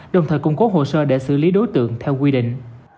đồng thời cung cố hồ sơ để xử lý đối tượng theo quy định